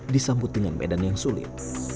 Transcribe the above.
disambut dengan medan yang sulit